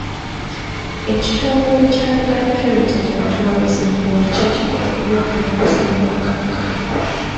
Ekitongole kya Buganda Heritage and Tourism Board kye kikola ku by'obulambuzi mu Bwakabaka.